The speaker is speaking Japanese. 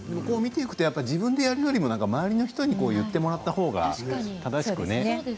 自分でやるよりも周りの人に言ってもらったほうが正しくね。